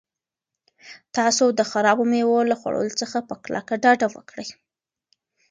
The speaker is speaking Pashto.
تاسو د خرابو مېوو له خوړلو څخه په کلکه ډډه وکړئ.